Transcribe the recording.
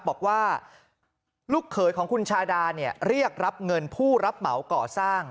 บอกว่าลูกเขยของคุณชาดาเรียกรับเงินผู้รับเหมาก่อสร้าง